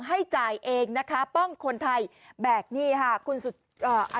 ให้จ่ายเองนะคะป้องคนไทยแบกหนี้ค่ะคุณสุดอ่า